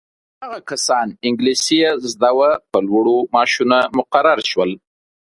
هغه کسان انګلیسي یې زده وه په لوړو معاشونو مقرر شول.